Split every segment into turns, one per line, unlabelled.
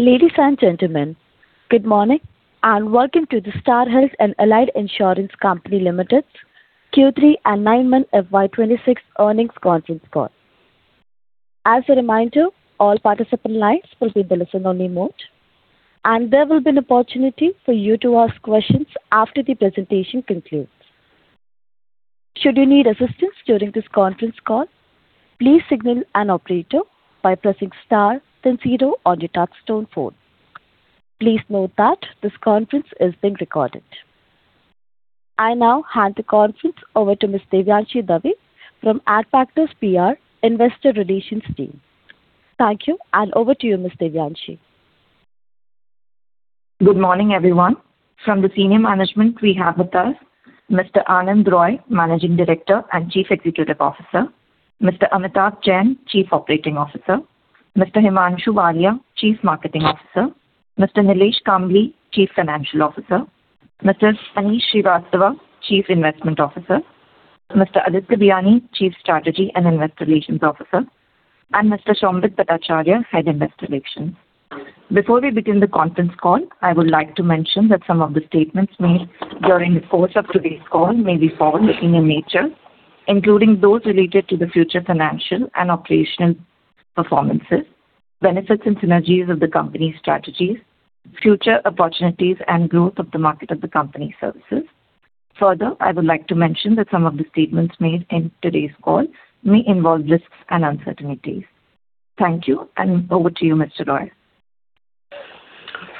Ladies and gentlemen, good morning, and welcome to the Star Health and Allied Insurance Company Limited Q3 and nine-month FY 2026 earnings conference call. As a reminder, all participant lines will be in listen-only mode, and there will be an opportunity for you to ask questions after the presentation concludes. Should you need assistance during this conference call, please signal an operator by pressing star then zero on your touchtone phone. Please note that this conference is being recorded. I now hand the conference over to Miss Devanshi Dave from Adfactors PR, Investor Relations Team. Thank you, and over to you, Miss Devanshi.
Good morning, everyone. From the senior management, we have with us Mr. Anand Roy, Managing Director and Chief Executive Officer, Mr. Amitabh Jain, Chief Operating Officer, Mr. Himanshu Walia, Chief Marketing Officer, Nilesh Kambli, Chief Financial Officer, Mr. Aneesh Srivastava, Chief Investment Officer, Mr. Aditya Biyani, Chief Strategy and Investor Relations Officer, and Mr. Sombit Bhattacharya, Head, Investor Relations. Before we begin the conference call, I would like to mention that some of the statements made during the course of today's call may be forward-looking in nature, including those related to the future financial and operational performances, benefits and synergies of the company's strategies, future opportunities and growth of the market of the company's services. Further, I would like to mention that some of the statements made in today's call may involve risks and uncertainties. Thank you, and over to you, Mr. Roy.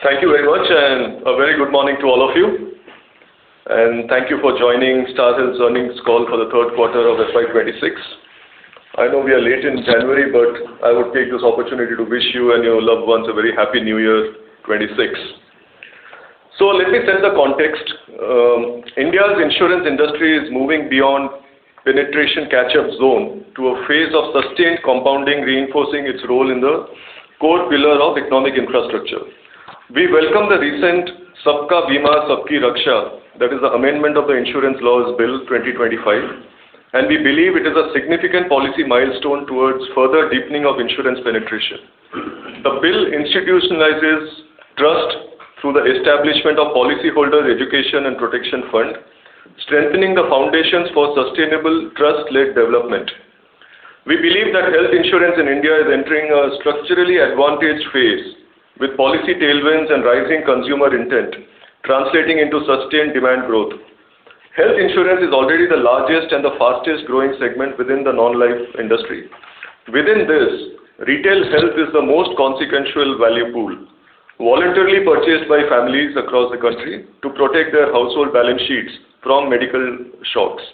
Thank you very much, and a very good morning to all of you. Thank you for joining Star Health's earnings call for the third quarter of FY 2026. I know we are late in January, but I would take this opportunity to wish you and your loved ones a very happy New Year 2026. Let me set the context. India's insurance industry is moving beyond penetration catch-up zone to a phase of sustained compounding, reinforcing its role in the core pillar of economic infrastructure. We welcome the recent Sabka Bima Sabki Raksha, that is the Amendment of the Insurance Laws Bill 2025, and we believe it is a significant policy milestone towards further deepening of insurance penetration. The bill institutionalizes trust through the establishment of Policyholders' Education and Protection Fund, strengthening the foundations for sustainable trust-led development. We believe that health insurance in India is entering a structurally advantaged phase, with policy tailwinds and rising consumer intent translating into sustained demand growth. Health insurance is already the largest and the fastest-growing segment within the non-life industry. Within this, retail health is the most consequential value pool, voluntarily purchased by families across the country to protect their household balance sheets from medical shocks.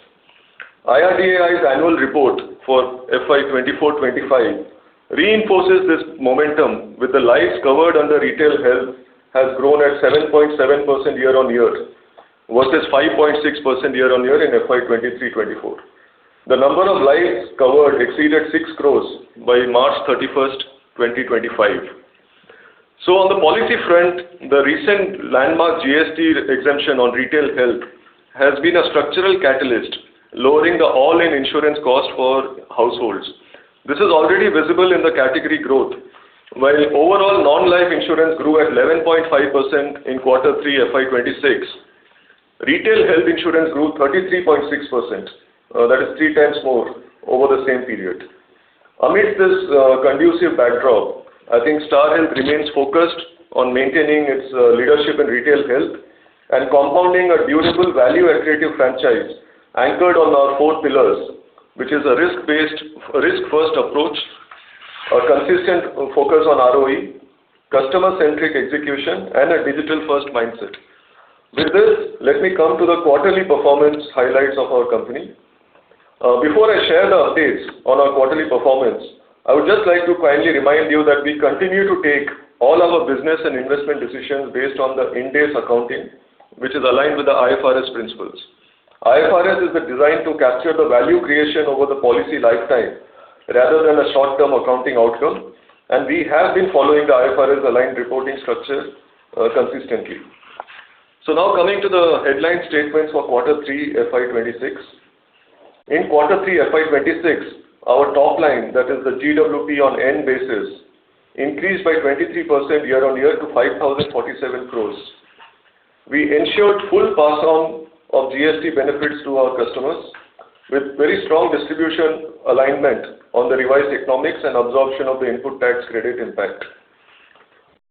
IRDAI's annual report for FY 2024-2025 reinforces this momentum, with the lives covered under retail health has grown at 7.7% year-on-year, versus 5.6% year-on-year in FY 2023-2024. The number of lives covered exceeded 6 crore by March 31, 2025. So on the policy front, the recent landmark GST exemption on retail health has been a structural catalyst, lowering the all-in insurance cost for households. This is already visible in the category growth. While overall non-life insurance grew at 11.5% in quarter three, FY 2026, retail health insurance grew 33.6%. That is three times more over the same period. Amidst this conducive backdrop, I think Star Health remains focused on maintaining its leadership in retail health and compounding a durable, value-accretive franchise anchored on our four pillars, which is a risk-first approach, a consistent focus on ROE, customer-centric execution, and a digital-first mindset. With this, let me come to the quarterly performance highlights of our company. Before I share the updates on our quarterly performance, I would just like to kindly remind you that we continue to take all our business and investment decisions based on the Ind AS accounting, which is aligned with the IFRS principles. IFRS is designed to capture the value creation over the policy lifetime rather than a short-term accounting outcome, and we have been following the IFRS-aligned reporting structure, consistently. So now coming to the headline statements for quarter 3, FY 2026. In quarter 3, FY 2026, our top line, that is the GWP on 1/N basis, increased by 23% year-on-year to 5,047 crores. We ensured full pass-on of GST benefits to our customers with very strong distribution alignment on the revised economics and absorption of the input tax credit impact.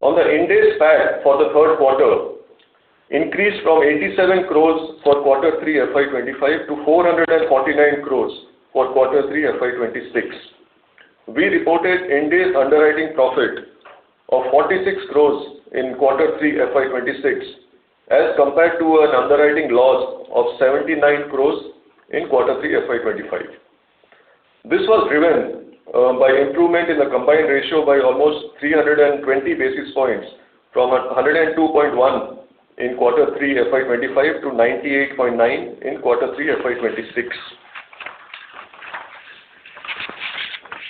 On the Ind AS front for the third quarter, increased from 87 crores for quarter 3, FY 2025, to 449 crores for quarter 3, FY 2026. We reported Ind AS underwriting profit of 46 crore in quarter three, FY 2026, as compared to an underwriting loss of 79 crore in quarter three, FY 2025. This was driven by improvement in the combined ratio by almost 320 basis points from 102.1 in quarter three, FY 2025, to 98.9 in quarter three, FY 2026.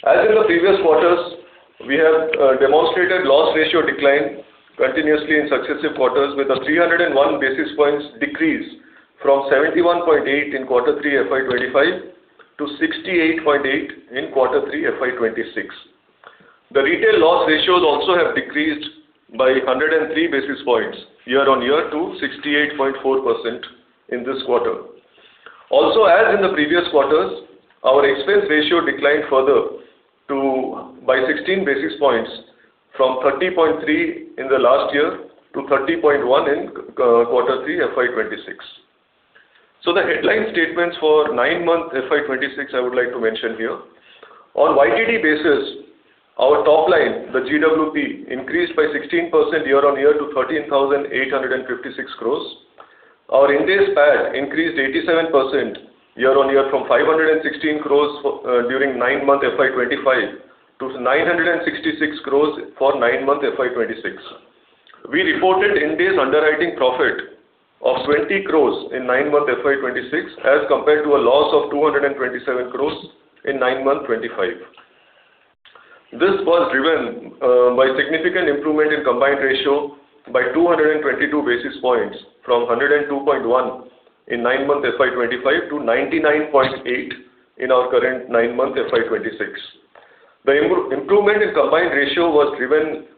As in the previous quarters, we have demonstrated loss ratio decline continuously in successive quarters with a 301 basis points decrease from 71.8 in quarter three, FY 2025 to 68.8 in quarter three, FY 2026. The retail loss ratios also have decreased by 103 basis points, year-on-year to 68.4% in this quarter. Also, as in the previous quarters, our expense ratio declined further to, by 16 basis points from 30.3 in the last year to 30.1 in, quarter 3, FY 2026. So the headline statements for nine-month FY 2026, I would like to mention here. On YTD basis, our top line, the GWP, increased by 16% year-on-year to INR 13,856 crores. Our Ind AS PAT increased 87% year-on-year from 516 crores, during nine-month FY 2025, to 966 crores for nine-month FY 2026. We reported Ind AS underwriting profit of 20 crores in nine-month FY 2026, as compared to a loss of 227 crores in nine-month 2025. This was driven by significant improvement in combined ratio by 222 basis points from 102.1 in nine-month FY 2025 to 99.8 in our current nine-month FY 2026. The improvement in combined ratio was driven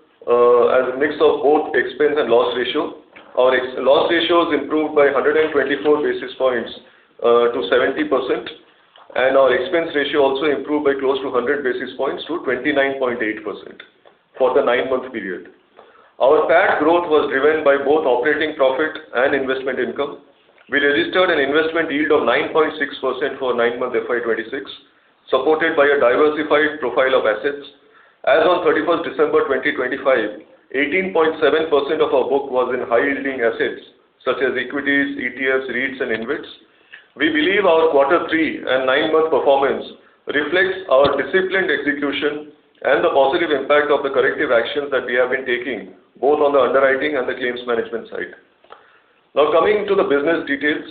as a mix of both expense and loss ratio. Our loss ratio is improved by 124 basis points to 70%, and our expense ratio also improved by close to 100 basis points to 29.8% for the nine-month period. Our PAT growth was driven by both operating profit and investment income. We registered an investment yield of 9.6% for nine-month FY 2026, supported by a diversified profile of assets. As on 31st December 2025, 18.7% of our book was in high-yielding assets such as equities, ETFs, REITs, and InvITs. We believe our quarter three and nine-month performance reflects our disciplined execution and the positive impact of the corrective actions that we have been taking, both on the underwriting and the claims management side. Now, coming to the business details.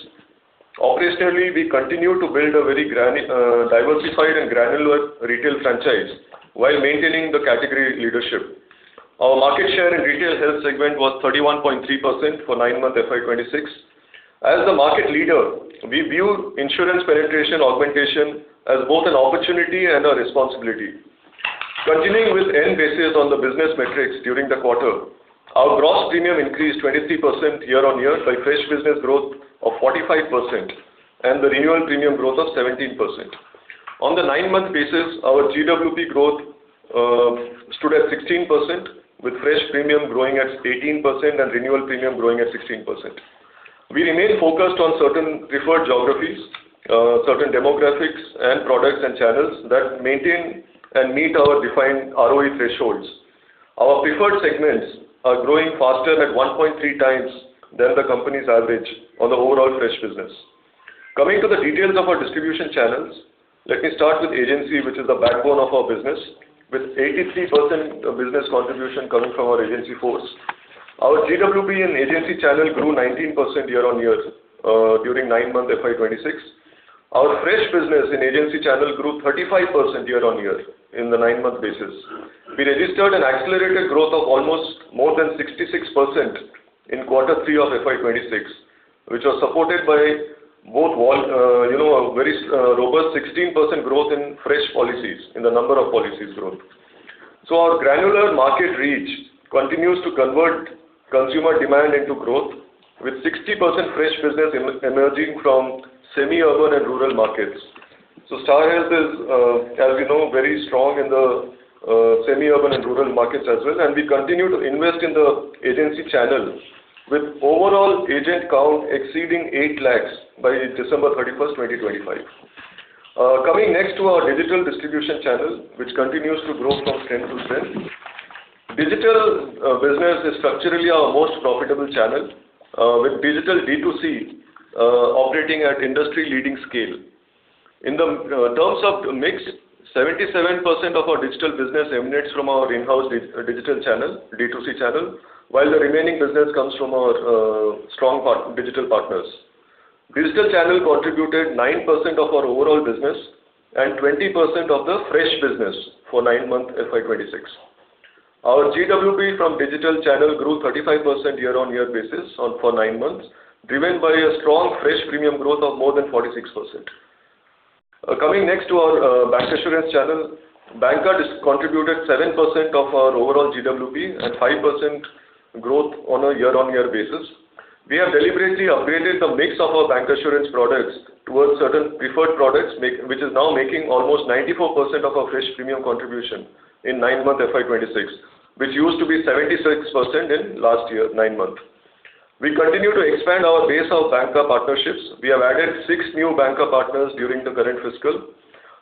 Operationally, we continue to build a very diversified and granular retail franchise while maintaining the category leadership. Our market share in retail health segment was 31.3% for nine-month FY 2026. As the market leader, we view insurance penetration augmentation as both an opportunity and a responsibility. Continuing with end basis on the business metrics during the quarter, our gross premium increased 23% year-on-year by fresh business growth of 45%, and the renewal premium growth of 17%. On the nine-month basis, our GWP growth stood at 16%, with fresh premium growing at 18% and renewal premium growing at 16%. We remain focused on certain preferred geographies, certain demographics, and products, and channels that maintain and meet our defined ROE thresholds. Our preferred segments are growing faster at 1.3 times than the company's average on the overall fresh business. Coming to the details of our distribution channels, let me start with agency, which is the backbone of our business, with 83% of business contribution coming from our agency force. Our GWP in agency channel grew 19% year-on-year during nine-month FY 2026. Our fresh business in agency channel grew 35% year-on-year in the nine-month basis. We registered an accelerated growth of almost more than 66% in quarter three of FY 2026, which was supported by both, well, you know, a very robust 16% growth in fresh policies, in the number of policies growth. Our granular market reach continues to convert consumer demand into growth, with 60% fresh business emerging from semi-urban and rural markets. Star Health is, as we know, very strong in the semi-urban and rural markets as well, and we continue to invest in the agency channel, with overall agent count exceeding 800,000 by December 31, 2025. Coming next to our digital distribution channel, which continues to grow from strength to strength. Digital business is structurally our most profitable channel, with digital D2C operating at industry-leading scale. In terms of mix, 77% of our digital business emanates from our in-house digital channel, D2C channel, while the remaining business comes from our strong partner digital partners. Digital channel contributed 9% of our overall business and 20% of the fresh business for nine-month FY 2026. Our GWP from digital channel grew 35% year-on-year basis on for nine months, driven by a strong fresh premium growth of more than 46%. Coming next to our bancassurance channel. Bancassurance contributed 7% of our overall GWP and 5% growth on a year-on-year basis. We have deliberately upgraded the mix of our bancassurance products towards certain preferred products, which is now making almost 94% of our fresh premium contribution in nine-month FY 2026, which used to be 76% in last year, nine months. We continue to expand our base of banca partnerships. We have added 6 new banca partners during the current fiscal.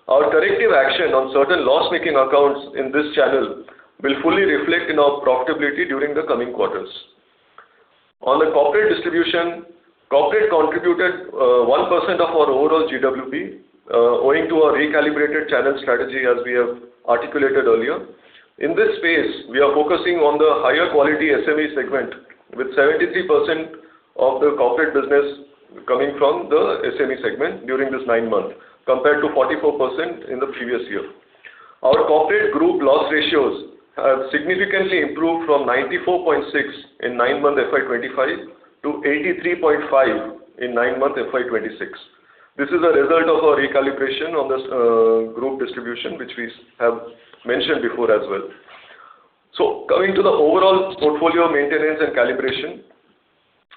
Our corrective action on certain loss-making accounts in this channel will fully reflect in our profitability during the coming quarters. On the corporate distribution, corporate contributed 1% of our overall GWP, owing to our recalibrated channel strategy, as we have articulated earlier. In this space, we are focusing on the higher quality SME segment, with 73% of the corporate business coming from the SME segment during this nine months, compared to 44% in the previous year. Our corporate group loss ratios have significantly improved from 94.6 in nine months FY 2025, to 83.5 in nine months FY 2026. This is a result of our recalibration on this group distribution, which we have mentioned before as well. Coming to the overall portfolio maintenance and calibration,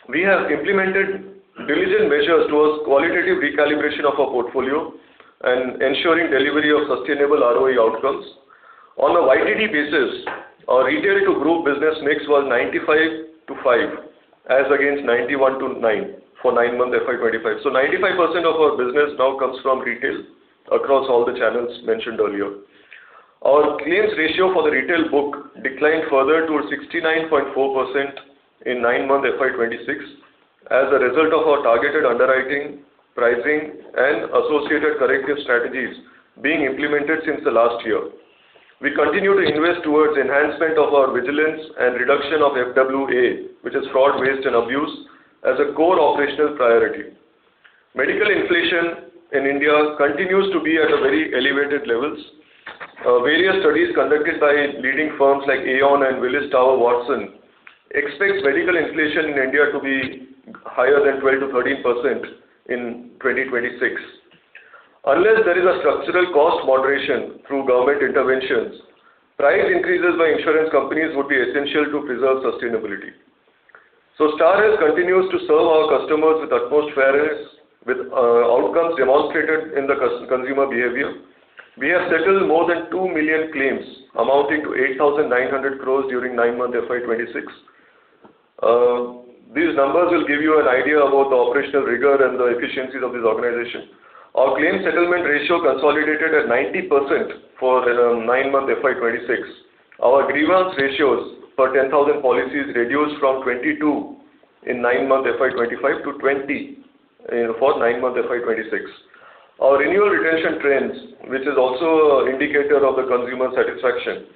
we have implemented diligent measures towards qualitative recalibration of our portfolio and ensuring delivery of sustainable ROE outcomes. On a YTD basis, our retail to group business mix was 95-5, as against 91-9 for nine months FY 2025. So 95% of our business now comes from retail across all the channels mentioned earlier. Our claims ratio for the retail book declined further to 69.4% in nine months FY 2026, as a result of our targeted underwriting, pricing, and associated corrective strategies being implemented since the last year. We continue to invest towards enhancement of our vigilance and reduction of FWA, which is fraud, waste, and abuse, as a core operational priority. Medical inflation in India continues to be at a very elevated levels. Various studies conducted by leading firms like Aon and Willis Towers Watson expects medical inflation in India to be higher than 12%-13% in 2026. Unless there is a structural cost moderation through government interventions, price increases by insurance companies would be essential to preserve sustainability. Star Health continues to serve our customers with utmost fairness, with outcomes demonstrated in the consumer behavior. We have settled more than 2 million claims, amounting to 8,900 crore during nine months FY 2026. These numbers will give you an idea about the operational rigor and the efficiencies of this organization. Our claim settlement ratio consolidated at 90% for nine months FY 2026. Our grievance ratios per 10,000 policies reduced from 22 in nine months FY 2025 to 20 for nine months FY 2026. Our renewal retention trends, which is also an indicator of the consumer satisfaction,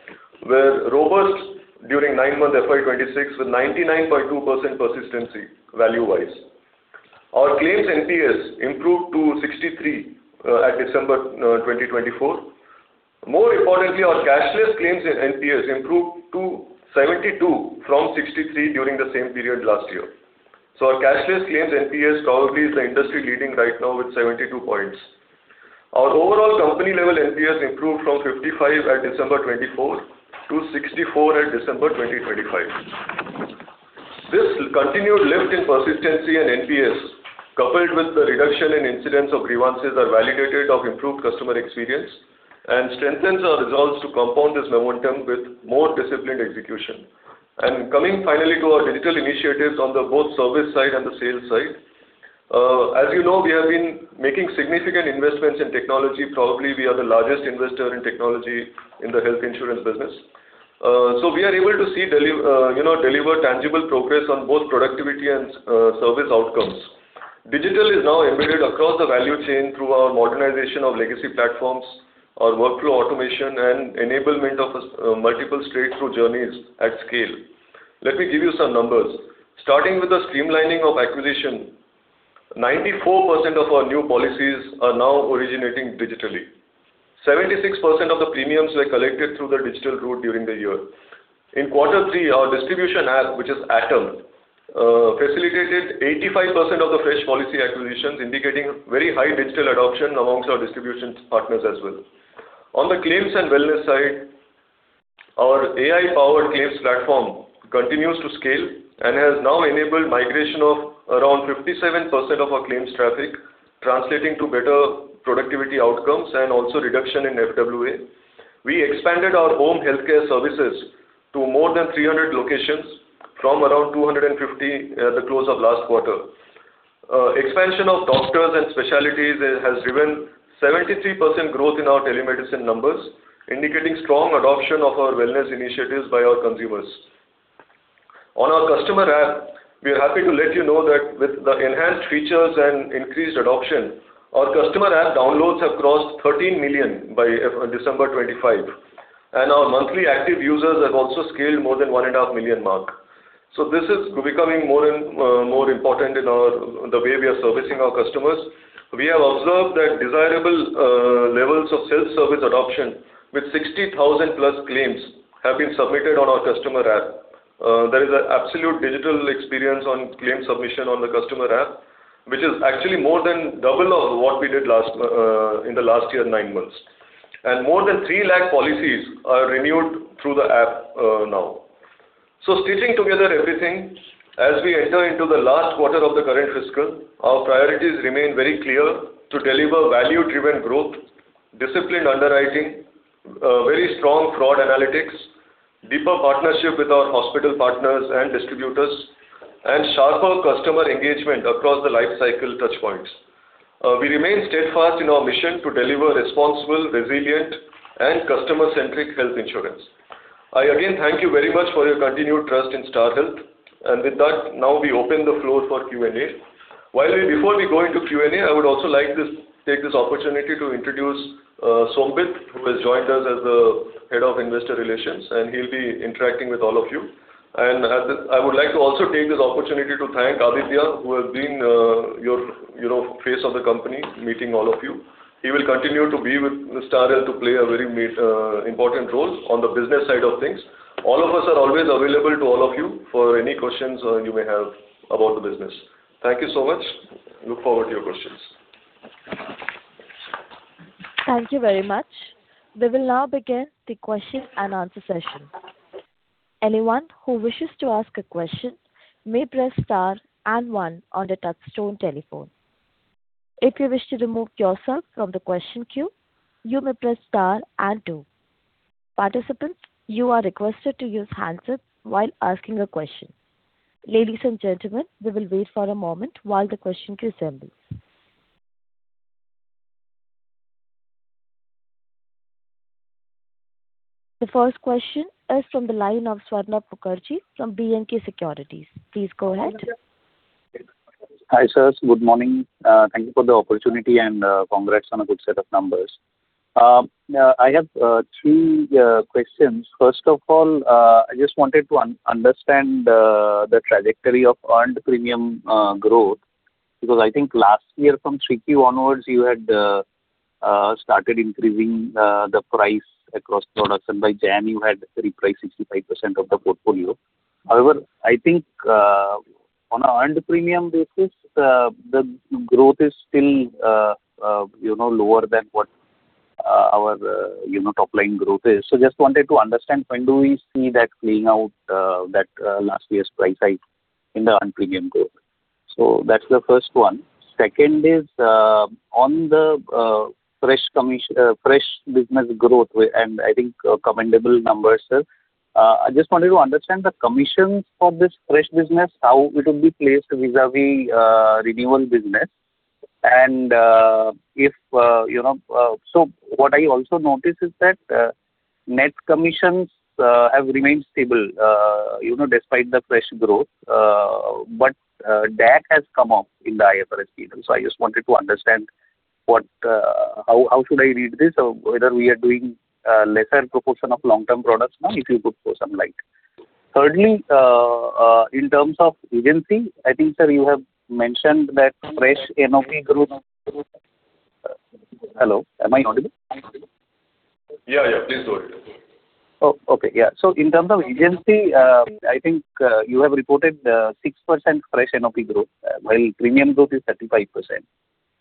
were robust during nine months FY 2026, with 99.2% persistency value-wise. Our claims NPS improved to 63 at December 2024. More importantly, our cashless claims in NPS improved to 72 from 63 during the same period last year. So our cashless claims NPS probably is the industry leading right now with 72 points. Our overall company level NPS improved from 55 at December 2024 to 64 at December 2025. This continued lift in persistency and NPS, coupled with the reduction in incidents of grievances, are validated of improved customer experience, and strengthens our resolve to compound this momentum with more disciplined execution. Coming finally to our digital initiatives on the both service side and the sales side. As you know, we have been making significant investments in technology. Probably, we are the largest investor in technology in the health insurance business. So we are able to see, you know, deliver tangible progress on both productivity and service outcomes. Digital is now embedded across the value chain through our modernization of legacy platforms, our workflow automation, and enablement of multiple straight-through journeys at scale. Let me give you some numbers. Starting with the streamlining of acquisition, 94% of our new policies are now originating digitally. 76% of the premiums were collected through the digital route during the year. In quarter three, our distribution app, which is ATOM, facilitated 85% of the fresh policy acquisitions, indicating very high digital adoption amongst our distribution partners as well. On the claims and wellness side, our AI-powered claims platform continues to scale and has now enabled migration of around 57% of our claims traffic, translating to better productivity outcomes and also reduction in FWA. We expanded our home healthcare services to more than 300 locations from around 250, the close of last quarter. Expansion of doctors and specialties has driven 73% growth in our telemedicine numbers, indicating strong adoption of our wellness initiatives by our consumers. On our customer app, we are happy to let you know that with the enhanced features and increased adoption, our customer app downloads have crossed 13 million by December 2025, and our monthly active users have also scaled more than 1.5 million mark. So this is becoming more and more important in our the way we are servicing our customers. We have observed that desirable levels of self-service adoption, with 60,000+ claims have been submitted on our customer app. There is an absolute digital experience on claim submission on the customer app, which is actually more than double of what we did last, in the last year, nine months. More than 300,000 policies are renewed through the app, now. So stitching together everything, as we enter into the last quarter of the current fiscal, our priorities remain very clear: to deliver value-driven growth, disciplined underwriting, very strong fraud analytics, deeper partnership with our hospital partners and distributors, and sharper customer engagement across the lifecycle touchpoints. We remain steadfast in our mission to deliver responsible, resilient, and customer-centric health insurance. I again thank you very much for your continued trust in Star Health, and with that, now we open the floor for Q&A. Before we go into Q&A, I would also like to take this opportunity to introduce Sombit, who has joined us as the Head of Investor Relations, and he'll be interacting with all of you. And at this, I would like to also take this opportunity to thank Aditya, who has been, your, you know, face of the company, meeting all of you. He will continue to be with Star and to play a very important role on the business side of things. All of us are always available to all of you for any questions you may have about the business. Thank you so much. Look forward to your questions.
Thank you very much. We will now begin the question and answer session. Anyone who wishes to ask a question may press star and one on the touchtone telephone. If you wish to remove yourself from the question queue, you may press star and two. Participants, you are requested to use handsets while asking a question. Ladies and gentlemen, we will wait for a moment while the question queue assembles. The first question is from the line of Swarna Mukherjee from B&K Securities. Please go ahead.
Hi, sir. Good morning. Thank you for the opportunity, and congrats on a good set of numbers. I have three questions. First of all, I just wanted to understand the trajectory of earned premium growth, because I think last year from Q3 onwards, you had started increasing the price across products, and by January, you had repriced 65% of the portfolio. However, I think on an earned premium basis, the growth is still, you know, lower than what our, you know, top-line growth is. So just wanted to understand, when do we see that playing out, that last year's price hike in the earned premium growth? So that's the first one. Second is on the fresh business growth, and I think commendable numbers, sir. I just wanted to understand the commissions for this fresh business, how it will be placed vis-a-vis renewal business. And if you know so what I also noticed is that net commissions have remained stable you know despite the fresh growth but DAC has come up in the IFRS period. So I just wanted to understand what how should I read this, or whether we are doing lesser proportion of long-term products, ma'am, if you could throw some light. Thirdly in terms of agency, I think, sir, you have mentioned that fresh NOP growth... Hello, am I audible?
Yeah, yeah, please go ahead.
Oh, okay. Yeah. So in terms of agency, I think, you have reported, 6% fresh NOP growth, while premium growth is 35%.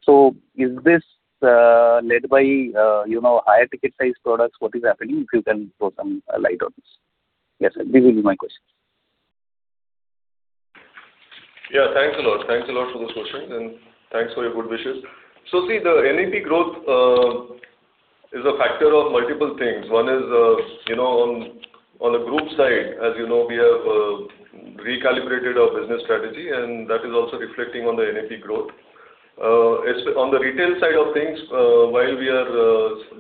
So is this, led by, you know, higher ticket size products? What is happening, if you can throw some light on this? Yes, sir, these are my questions.
Yeah, thanks a lot. Thanks a lot for those questions, and thanks for your good wishes. So see, the NOP growth is a factor of multiple things. One is, you know, on the group side, as you know, we have recalibrated our business strategy, and that is also reflecting on the NOP growth. On the retail side of things, while we are,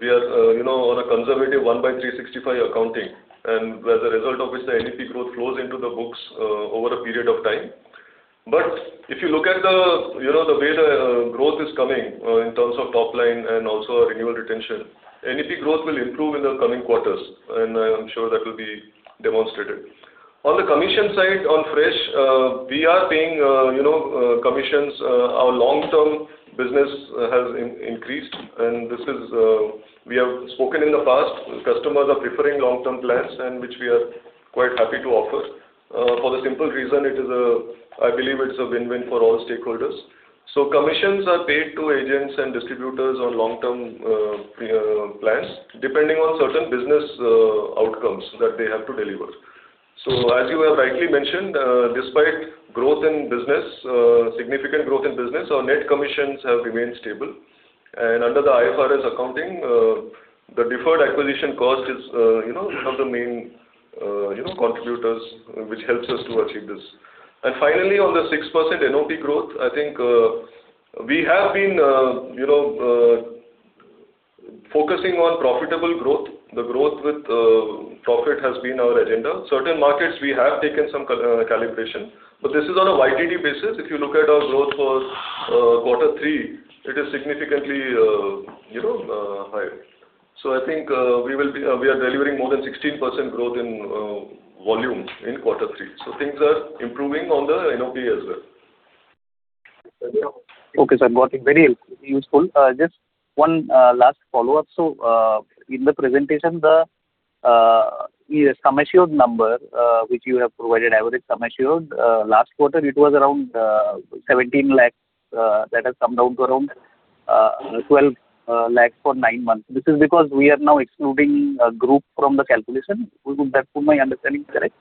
we are, you know, on a conservative 1 by 365 accounting, and as a result of which the NOP growth flows into the books over a period of time. But if you look at the, you know, the way the growth is coming in terms of top line and also our renewal retention, NOP growth will improve in the coming quarters, and I'm sure that will be demonstrated. On the commission side, on fresh, we are paying, you know, commissions. Our long-term business has increased, and this is, we have spoken in the past. Customers are preferring long-term plans and which we are quite happy to offer. For the simple reason, I believe it's a win-win for all stakeholders. So commissions are paid to agents and distributors on long-term plans, depending on certain business outcomes that they have to deliver. So as you have rightly mentioned, despite growth in business, significant growth in business, our net commissions have remained stable. And under the IFRS accounting, the deferred acquisition cost is, you know, one of the main, you know, contributors which helps us to achieve this. Finally, on the 6% NOP growth, I think, we have been, you know, focusing on profitable growth. The growth with profit has been our agenda. Certain markets, we have taken some calibration, but this is on a YTD basis. If you look at our growth for quarter three, it is significantly, you know, high. So I think, we will be. We are delivering more than 16% growth in volume in quarter three. So things are improving on the NOP as well.
Okay, sir. Got it. Very useful. Just one last follow-up. So, in the presentation, the sum assured number, which you have provided, average sum assured, last quarter, it was around 17 lakh, that has come down to around 12 lakh for nine months. This is because we are now excluding group from the calculation. Would that my understanding correct?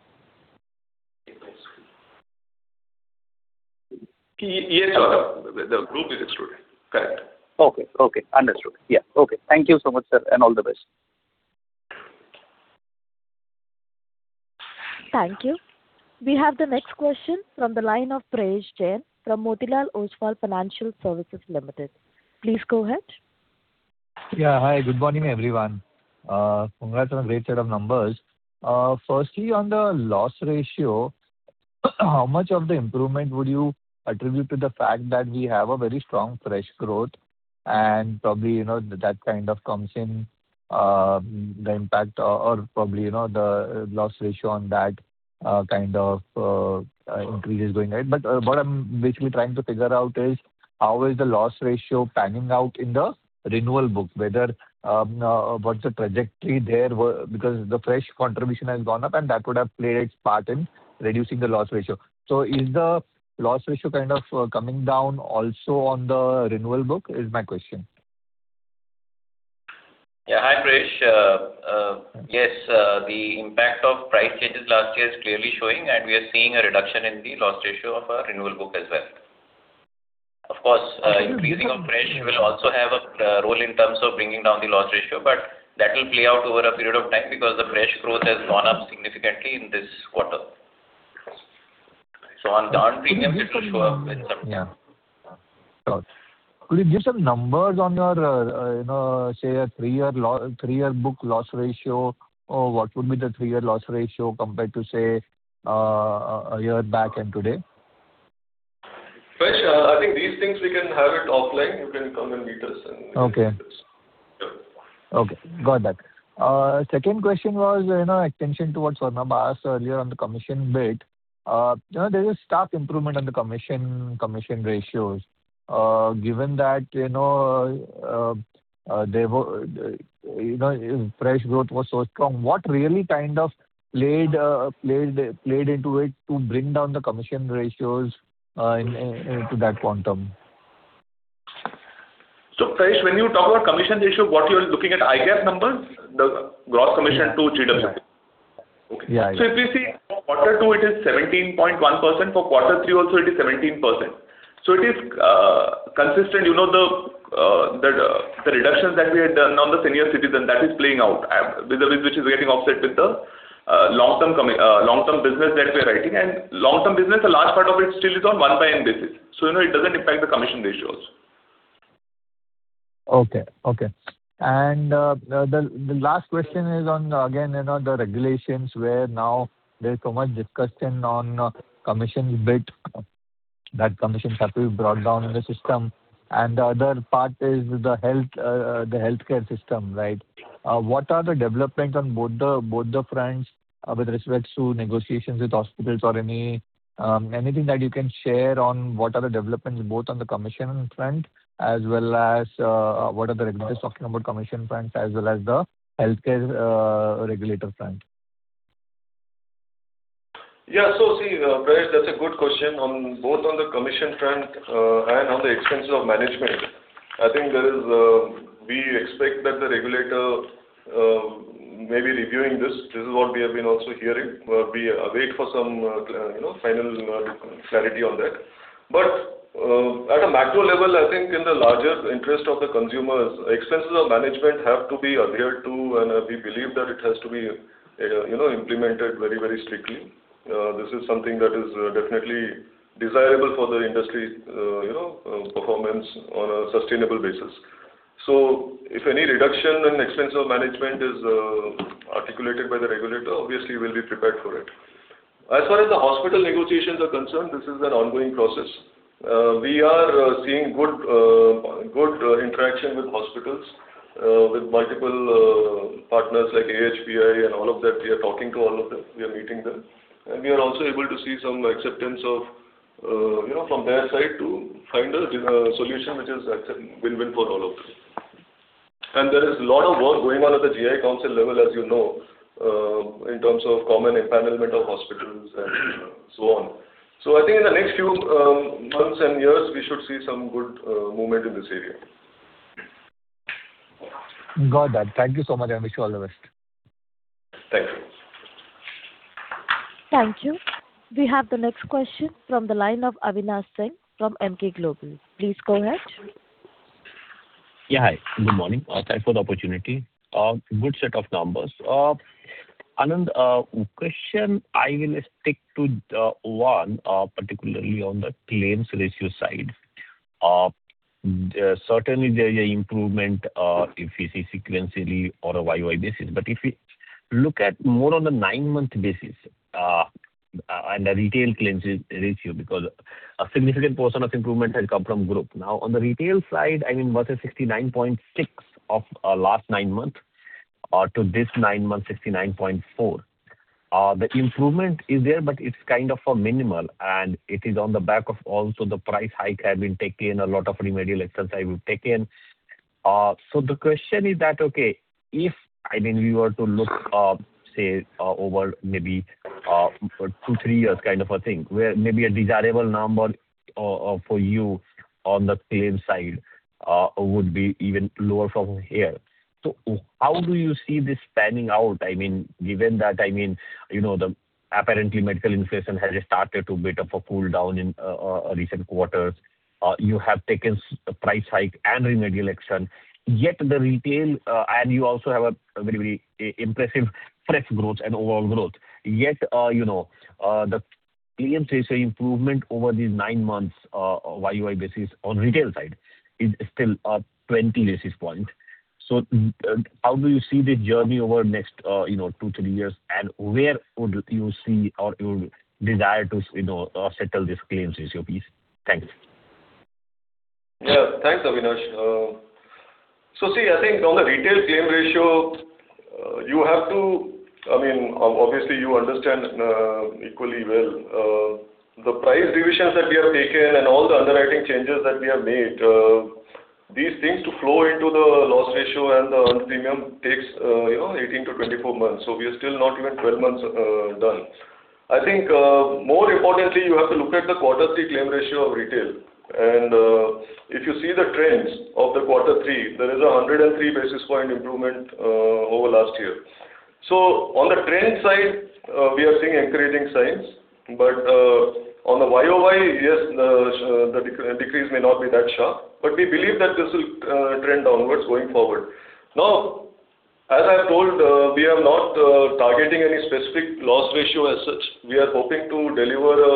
Yes, the group is excluded. Correct.
Okay. Okay. Understood. Yeah. Okay. Thank you so much, sir, and all the best.
Thank you. We have the next question from the line of Prayesh Jain from Motilal Oswal Financial Services Ltd. Please go ahead.
Yeah. Hi, good morning, everyone. Congrats on a great set of numbers. Firstly, on the loss ratio. How much of the improvement would you attribute to the fact that we have a very strong fresh growth, and probably, you know, that kind of comes in, the impact or, or probably, you know, the, loss ratio on that, kind of, increase is going on. But what I'm basically trying to figure out is: how is the loss ratio panning out in the renewal book? Whether, what's the trajectory there, where—because the fresh contribution has gone up, and that would have played its part in reducing the loss ratio. So is the loss ratio kind of coming down also on the renewal book, is my question.
Yeah. Hi, Prayesh. Yes, the impact of price changes last year is clearly showing, and we are seeing a reduction in the loss ratio of our renewal book as well. Of course, increasing of fresh will also have a role in terms of bringing down the loss ratio, but that will play out over a period of time, because the fresh growth has gone up significantly in this quarter. So on non-premiums, it will show up in some-
Yeah. Could you give some numbers on your, you know, say, a three-year book loss ratio, or what would be the three-year loss ratio compared to, say, a year back and today?
Prayesh, I think these things we can have it offline. You can come and meet us, and-
Okay.
Yeah.
Okay, got that. Second question was, you know, extension towards on our earlier on the commission bit. You know, there is a stark improvement on the commission commission ratios. Given that, you know, fresh growth was so strong, what really kind of played played into it to bring down the commission ratios in to that quantum?
So, Prayesh, when you talk about commission ratio, what you are looking at IFRS numbers, the gross commission to GWP?
Yeah, yeah.
So if you see quarter two, it is 17.1%. For quarter three also, it is 17%. So it is consistent, you know, the reductions that we had done on the senior citizen, that is playing out, which is getting offset with the long-term business that we're writing. And long-term business, a large part of it still is 1/N basis, so, you know, it doesn't impact the commission ratios.
Okay. Okay. And, the last question is on, again, you know, the regulations where now there's so much discussion on commission bit, that commission have to be brought down in the system. And the other part is the health, the healthcare system, right? What are the developments on both the fronts, with respect to negotiations with hospitals or any, anything that you can share on what are the developments both on the commission front as well as, what are the regulators talking about commission front as well as the healthcare, regulator front?
Yeah. So see, Prayesh, that's a good question. On both on the commission front, and on the expenses of management, I think there is-- we expect that the regulator may be reviewing this. This is what we have been also hearing. We await for some, you know, final clarity on that. But, at a macro level, I think in the larger interest of the consumers, expenses of management have to be adhered to, and we believe that it has to be, you know, implemented very, very strictly. This is something that is definitely desirable for the industry, you know, performance on a sustainable basis. So if any reduction in expense of management is articulated by the regulator, obviously we'll be prepared for it. As far as the hospital negotiations are concerned, this is an ongoing process. We are seeing good interaction with hospitals, with multiple partners like AHPI and all of that. We are talking to all of them. We are meeting them. And we are also able to see some acceptance of, you know, from their side to find a solution which is win-win for all of us. And there is a lot of work going on at the GI Council level, as you know, in terms of common empowerment of hospitals and so on. So I think in the next few months and years, we should see some good movement in this area.
Got that. Thank you so much, and wish you all the best.
Thank you.
Thank you. We have the next question from the line of Avinash Singh from Emkay Global. Please go ahead.
Yeah, hi. Good morning. Thanks for the opportunity. Good set of numbers. Anand, question, I will stick to the one, particularly on the claims ratio side. Certainly there is an improvement, if you see sequentially on a Y-Y basis. But if you look at more on the nine-month basis, on the retail claims ratio, because a significant portion of improvement has come from group. Now, on the retail side, I mean, versus 69.6% of last nine months to this nine months, 69.4%. The improvement is there, but it's kind of a minimal, and it is on the back of also the price hike have been taken, a lot of remedial exercise have been taken. So the question is that, okay, if, I mean, we were to look, say, over maybe, two, three years kind of a thing, where maybe a desirable number, for you on the claim side, would be even lower from here. So how do you see this panning out? I mean, given that, I mean, you know, the apparently medical inflation has started to a bit of a cool down in recent quarters. You have taken a price hike and remedial action, yet the retail and you also have a very, very impressive fresh growth and overall growth, yet, you know, the claim ratio improvement over these nine months, on Y-Y basis on retail side is still, 20 basis points.... So, how do you see the journey over the next, you know, two, three years? And where would you see or you would desire to, you know, settle these claims ratio, please? Thanks.
Yeah. Thanks, Avinash. So see, I think on the retail claim ratio, you have to-- I mean, obviously, you understand equally well the price revisions that we have taken and all the underwriting changes that we have made, these things to flow into the loss ratio and the unearned premium takes, you know, 18-24 months. So we are still not even 12 months done. I think, more importantly, you have to look at the quarter three claim ratio of retail. And, if you see the trends of the quarter three, there is a 103 basis point improvement over last year. So on the trend side, we are seeing encouraging signs, but, on the YOY, yes, the decrease may not be that sharp, but we believe that this will trend downwards going forward. Now, as I have told, we are not targeting any specific loss ratio as such. We are hoping to deliver a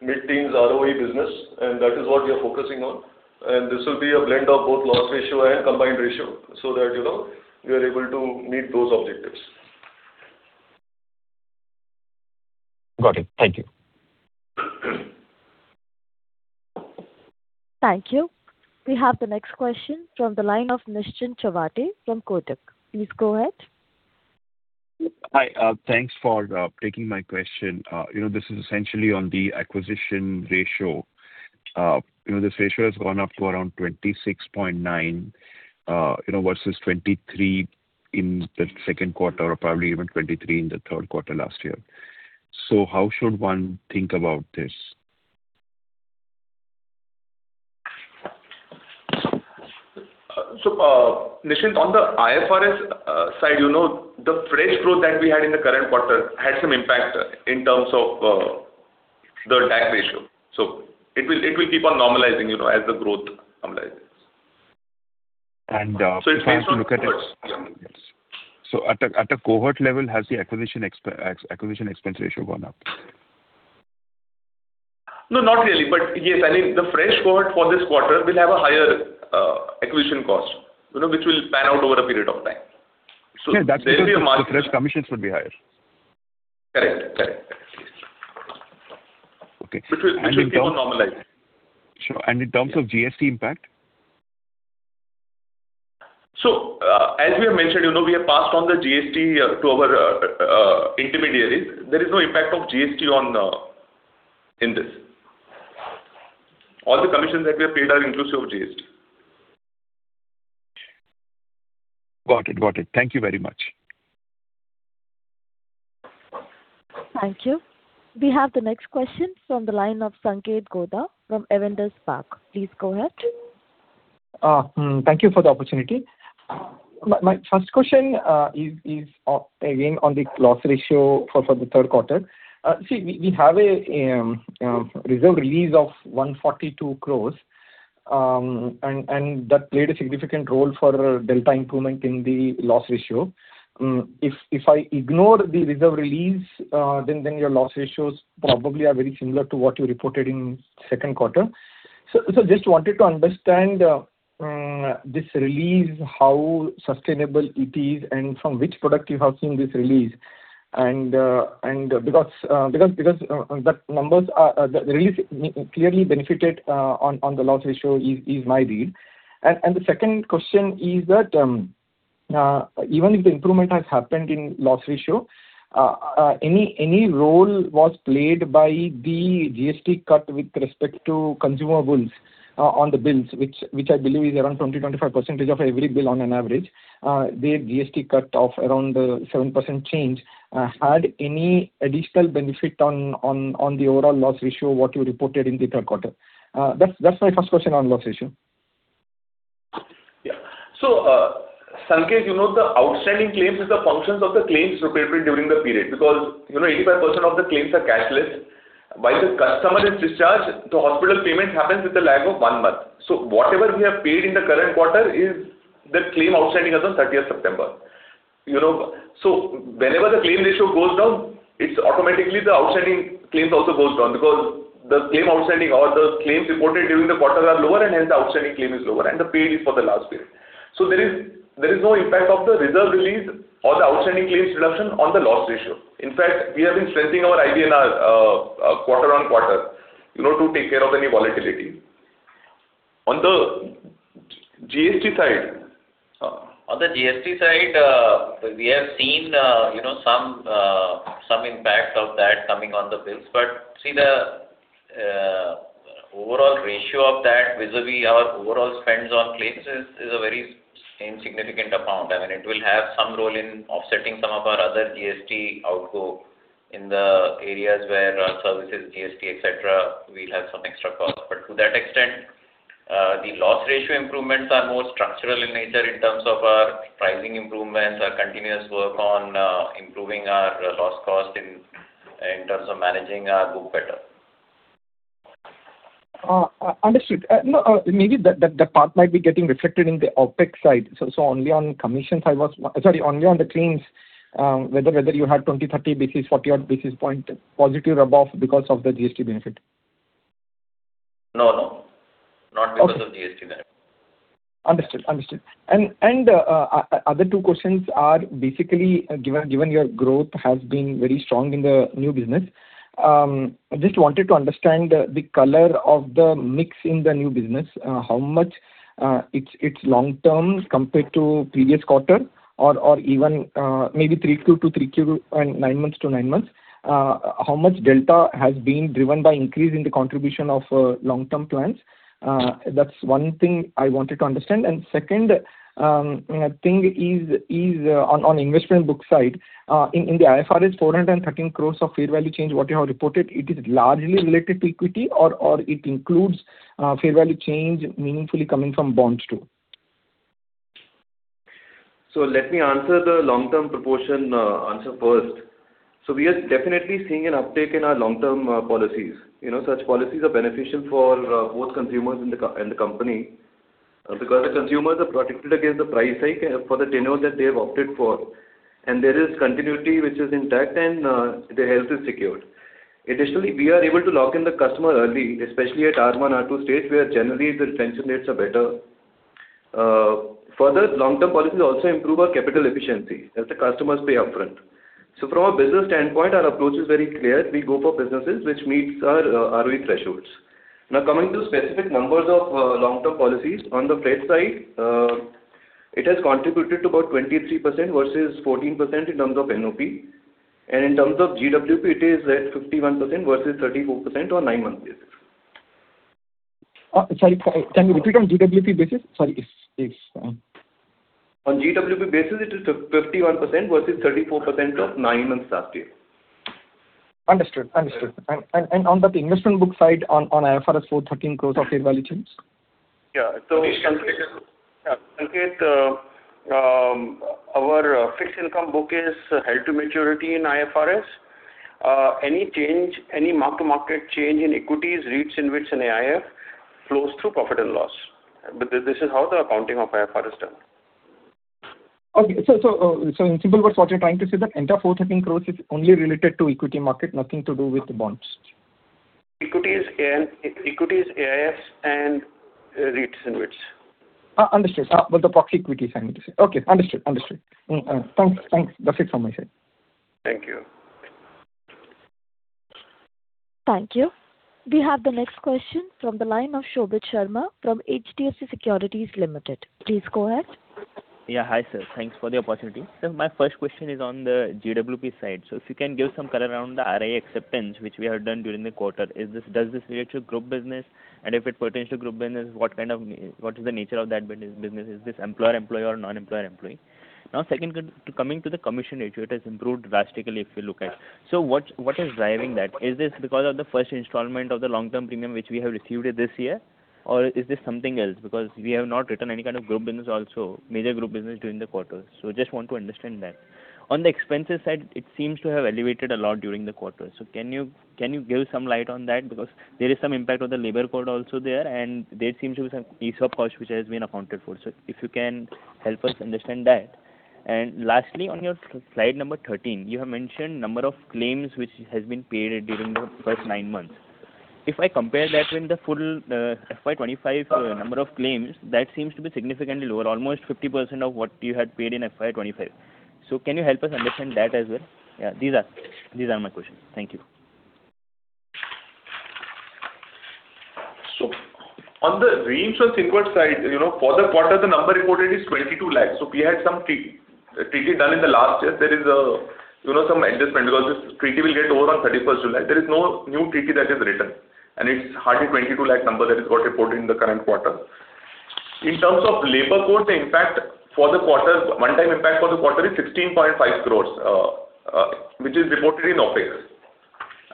mid-teens ROE business, and that is what we are focusing on, and this will be a blend of both loss ratio and combined ratio, so that, you know, we are able to meet those objectives.
Got it. Thank you.
Thank you. We have the next question from the line of Nischint Chawathe from Kotak. Please go ahead.
Hi, thanks for taking my question. You know, this is essentially on the acquisition ratio. You know, this ratio has gone up to around 26.9, you know, versus 23 in the second quarter, or probably even 23 in the third quarter last year. So how should one think about this?
So, Nischint, on the IFRS side, you know, the fresh growth that we had in the current quarter had some impact in terms of the DAC ratio. So it will, it will keep on normalizing, you know, as the growth normalizes.
And, uh,
It depends on-
So at a cohort level, has the acquisition expense ratio gone up?
No, not really. But yes, I mean, the fresh cohort for this quarter will have a higher, acquisition cost, you know, which will pan out over a period of time. So-
Yeah, that's because-
There will be a margin.
The fresh commissions would be higher.
Correct, correct.
Okay.
Which will keep on normalizing.
Sure. And in terms of GST impact?
As we have mentioned, you know, we have passed on the GST to our intermediaries. There is no impact of GST on this. All the commissions that we have paid are inclusive of GST.
Got it. Got it. Thank you very much.
Thank you. We have the next question from the line of Sanketh Godha from Avendus. Please go ahead.
Thank you for the opportunity. My first question is again on the loss ratio for the third quarter. See, we have a reserve release of 142 crore, and that played a significant role for delta improvement in the loss ratio. If I ignore the reserve release, then your loss ratios probably are very similar to what you reported in second quarter. Just wanted to understand this release, how sustainable it is, and from which product you have seen this release. And because that numbers are the release clearly benefited on the loss ratio, is my read. The second question is that even if the improvement has happened in loss ratio, any role was played by the GST cut with respect to consumer goods on the bills, which I believe is around 25% of every bill on an average. The GST cut of around 7% change had any additional benefit on the overall loss ratio what you reported in the third quarter? That's my first question on loss ratio.
Yeah. So, Sanket, you know, the outstanding claims is the functions of the claims prepared during the period, because, you know, 85% of the claims are cashless. While the customer is discharged, the hospital payment happens with a lag of one month. So whatever we have paid in the current quarter is the claim outstanding as on 13th September. You know, so whenever the claim ratio goes down, it's automatically the outstanding claims also goes down, because the claim outstanding or the claims reported during the quarter are lower, and hence the outstanding claim is lower, and the paid is for the last period. So there is, there is no impact of the reserve release or the outstanding claims reduction on the loss ratio. In fact, we have been strengthening our IBNR, quarter on quarter, you know, to take care of any volatility. On the GST side...
On the GST side, we have seen, you know, some impact of that coming on the bills. But see, the overall ratio of that vis-à-vis our overall spends on claims is a very insignificant amount. I mean, it will have some role in offsetting some of our other GST outflow in the areas where our services, GST, et cetera, we'll have some extra costs. But to that extent, the loss ratio improvements are more structural in nature in terms of our pricing improvements, our continuous work on improving our loss cost in terms of managing our book better.
Understood. No, maybe that part might be getting reflected in the OpEx side. So only on commission side was— Sorry, only on the claims, whether you had 20, 30, 40 odd basis points positive or above because of the GST benefit?...
No, no, not because of the GST benefit.
Understood, understood. And, other two questions are basically, given your growth has been very strong in the new business, I just wanted to understand the color of the mix in the new business. How much, it's long term compared to previous quarter or even, maybe 3Q to 3Q and nine months to nine months, how much delta has been driven by increase in the contribution of, long-term plans? That's one thing I wanted to understand. And second, thing is, on investment book side, in the IFRS 413 crores of fair value change, what you have reported, it is largely related to equity or it includes, fair value change meaningfully coming from bonds, too?
So let me answer the long-term proportion, answer first. So we are definitely seeing an uptick in our long-term, policies. You know, such policies are beneficial for, both consumers and the co- and the company, because the consumers are protected against the price hike for the tenure that they have opted for, and there is continuity which is intact and, their health is secured. Additionally, we are able to lock in the customer early, especially at R one, R two stage, where generally the retention rates are better. Further, long-term policies also improve our capital efficiency as the customers pay upfront. So from a business standpoint, our approach is very clear. We go for businesses which meets our, ROE thresholds. Now, coming to specific numbers of long-term policies, on the retail side, it has contributed to about 23% versus 14% in terms of NOP. And in terms of GWP, it is at 51% versus 34% on nine-month basis.
Sorry, can you repeat on GWP basis? Sorry, it's,
On GWP basis, it is 51% versus 34% of nine months last year.
Understood. And on the investment book side, on IFRS, INR 413 crore of fair value change?
Yeah, so our fixed income book is held to maturity in IFRS. Any change, any mark-to-market change in equities, REITs and InvITs in AIF, flows through profit and loss. But this is how the accounting of IFRS is done.
Okay. So in simple words, what you're trying to say that entire INR 413 crore is only related to equity market, nothing to do with the bonds?
Equities and equities, AIFs and REITs in which.
Understood. But the proxy equities, I mean to say. Okay, understood. Understood. Thanks, thanks. That's it from my side.
Thank you.
Thank you. We have the next question from the line of Shobhit Sharma from HDFC Securities Ltd. Please go ahead.
Yeah. Hi, sir. Thanks for the opportunity. So my first question is on the GWP side. So if you can give some color around the RI acceptance, which we have done during the quarter. Is this, does this relate to group business, and if it pertains to group business, what kind of... what is the nature of that business, business? Is this employer-employee or non-employer employee? Now, second, coming to the commission ratio, it has improved drastically if you look at it. So what, what is driving that? Is this because of the first installment of the long-term premium, which we have received this year, or is this something else? Because we have not returned any kind of group business also, major group business during the quarter. So just want to understand that. On the expenses side, it seems to have elevated a lot during the quarter. So can you, can you give some light on that? Because there is some impact of the labor code also there, and there seems to be some ESOP cost which has been accounted for. So if you can help us understand that. And lastly, on your slide number 13, you have mentioned number of claims which has been paid during the first nine months. If I compare that in the full FY 2025 number of claims, that seems to be significantly lower, almost 50% of what you had paid in FY 2025. So can you help us understand that as well? Yeah, these are, these are my questions. Thank you.
So on the reinsurance inward side, you know, for the quarter, the number reported is 22 lakhs. So we had some treaty, treaty done in the last year. There is, you know, some adjustment because this treaty will get over on 31st July. There is no new treaty that is written, and it's hardly 22 lakh number that is got reported in the current quarter. In terms of labor code, the impact for the quarter, one-time impact for the quarter is 16.5 crores, which is reported in OpEx.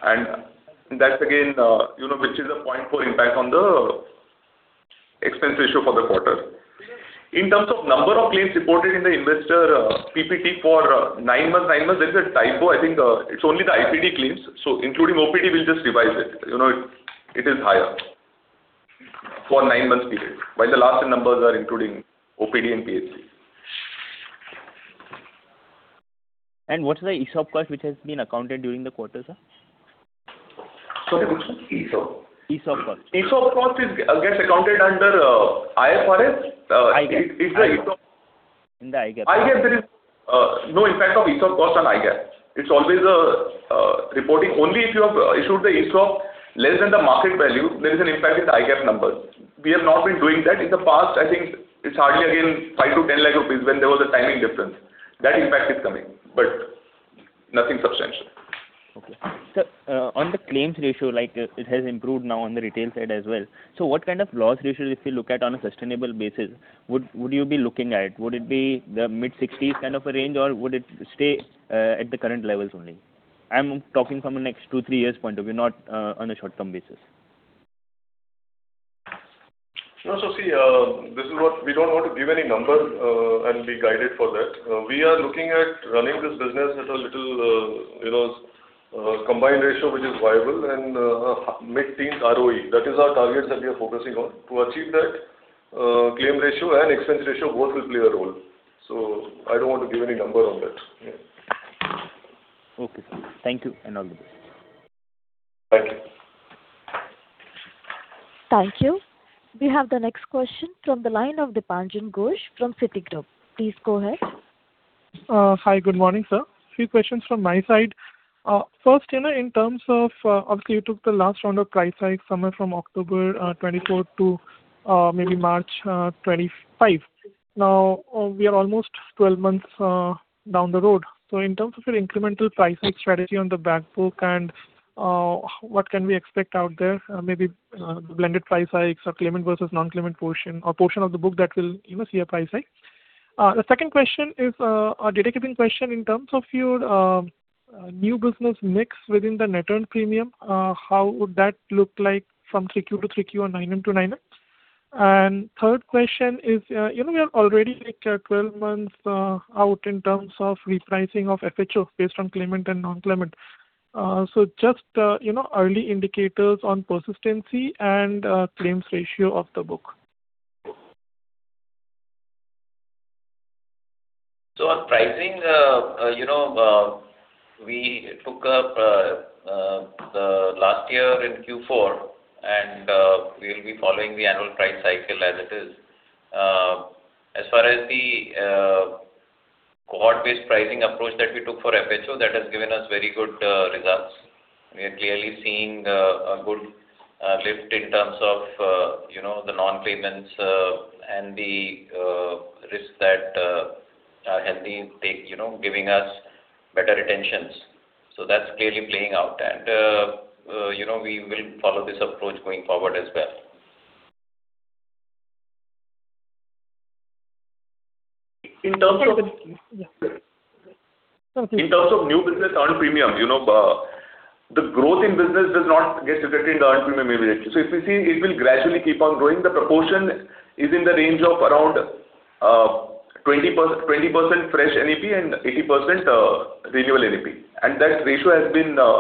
And that's again, you know, which is a 0.4 impact on the expense ratio for the quarter. In terms of number of claims reported in the investor PPT for nine months, nine months, there is a typo. I think, it's only the IPD claims, so including OPD, we'll just revise it. You know, it is higher for nine months period, while the last numbers are including OPD and IPD.
What's the ESOP cost which has been accounted during the quarter, sir?
Sorry, which one? ESOP.
ESOP cost.
ESOP cost is, gets accounted under, IFRS.
IGAAP.
Is the ESOP-
In the IGAAP.
IGAAP, there is no impact of ESOP cost on IGAAP. It's always a reporting. Only if you have issued the ESOP less than the market value, there is an impact with the IGAAP numbers. We have not been doing that. In the past, I think it's hardly again, 5 lakh-10 lakh rupees when there was a timing difference. That impact is coming, but nothing substantial.
Okay. Sir, on the claims ratio, like, it has improved now on the retail side as well. So what kind of loss ratio, if you look at on a sustainable basis, would, would you be looking at? Would it be the mid-60s kind of a range, or would it stay, at the current levels only? I'm talking from a next 2, 3 years point of view, not, on a short-term basis.
No, so see, this is what we don't want to give any number and be guided for that. We are looking at running this business at a little, you know, combined ratio, which is viable, and mid-teens ROE. That is our targets that we are focusing on. To achieve that, claim ratio and expense ratio, both will play a role. So I don't want to give any number on that. Yeah. ...
Okay, sir. Thank you, and all the best.
Thank you.
Thank you. We have the next question from the line of Dipanjan Ghosh from Citigroup. Please go ahead.
Hi, good morning, sir. Few questions from my side. First, you know, in terms of, obviously, you took the last round of price hike somewhere from October 24 to, maybe March 25. Now, we are almost 12 months down the road. So in terms of your incremental price hike strategy on the back book and, what can we expect out there? Maybe, blended price hikes or claimant versus non-claimant portion or portion of the book that will, you know, see a price hike. The second question is, a data keeping question in terms of your, new business mix within the net earned premium, how would that look like from 3Q to 3Q or 9M to 9M? Third question is, you know, we are already like, 12 months out in terms of repricing of FHO based on claimant and non-claimant. So just, you know, early indicators on persistency and claims ratio of the book.
So on pricing, you know, we took up the last year in Q4, and we will be following the annual price cycle as it is. As far as the cohort-based pricing approach that we took for FHO, that has given us very good results. We are clearly seeing a good lift in terms of, you know, the non-payments and the risk that are healthy, you know, giving us better retentions. So that's clearly playing out. And you know, we will follow this approach going forward as well.
In terms of-
Yeah.
In terms of new business earned premium, you know, the growth in business does not get reflected in the earned premium immediately. So if you see, it will gradually keep on growing. The proportion is in the range of around twenty percent fresh NEP and eighty percent renewal NEP. And that ratio has been in a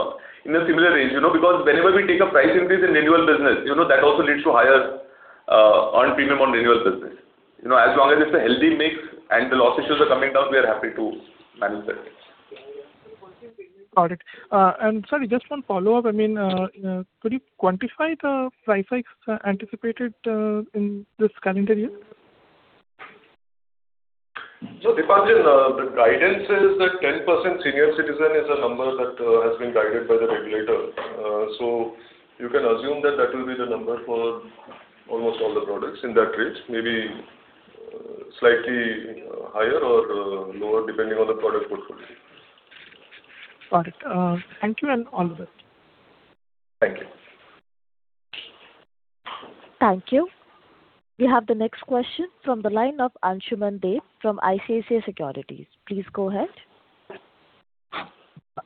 similar range, you know, because whenever we take a price increase in renewal business, you know, that also leads to higher earned premium on renewal business. You know, as long as it's a healthy mix and the loss ratios are coming down, we are happy to manage that.
Got it. Sir, just one follow-up. I mean, could you quantify the price hikes anticipated in this calendar year?
So Dipanjan, the guidance is that 10% senior citizen is a number that has been guided by the regulator. So you can assume that that will be the number for almost all the products in that range, maybe slightly higher or lower, depending on the product portfolio.
Got it. Thank you, and all the best.
Thank you.
Thank you. We have the next question from the line of Ansuman Deb from ICICI Securities. Please go ahead.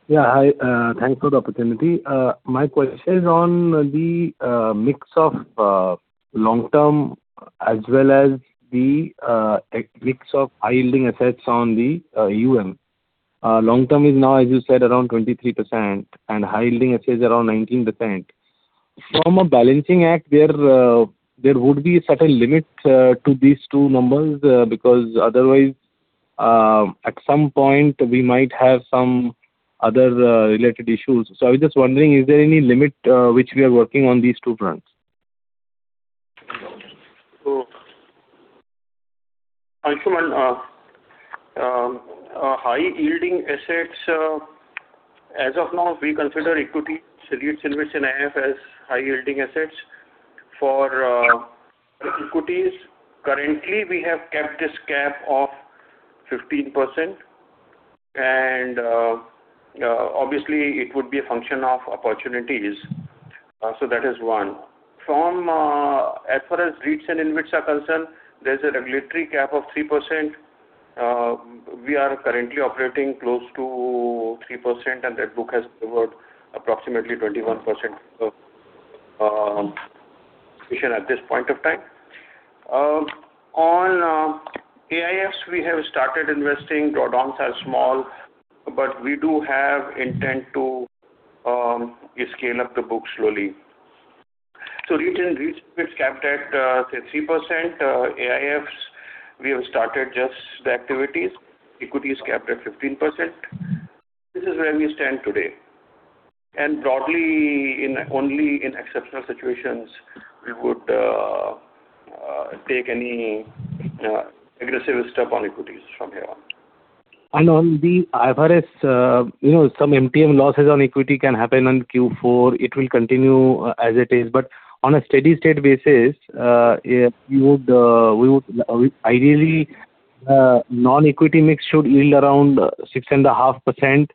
Yeah, hi. Thanks for the opportunity. My question is on the mix of long-term as well as the mix of high-yielding assets on the AUM. Long-term is now, as you said, around 23% and high-yielding assets around 19%. From a balancing act, there would be a certain limit to these two numbers because otherwise, at some point, we might have some other related issues. So I was just wondering, is there any limit which we are working on these two fronts?
So Anshuman, high-yielding assets, as of now, we consider equity, REITs, InvITs, and AIF as high-yielding assets. For equities, currently, we have kept this cap of 15%, and obviously, it would be a function of opportunities. So that is one. From as far as REITs and InvITs are concerned, there's a regulatory cap of 3%. We are currently operating close to 3%, and that book has about approximately 21% of position at this point of time. On AIFs, we have started investing. Drawdowns are small, but we do have intent to scale up the book slowly. So REITs and InvITs capped at, say, 3%. AIFs, we have started just the activities. Equity is capped at 15%. This is where we stand today. Broadly, only in exceptional situations, we would take any aggressive step on equities from here on.
And on the IFRS, you know, some MTM losses on equity can happen on Q4. It will continue as it is. But on a steady-state basis, yeah, we would ideally, non-equity mix should yield around 6.5%,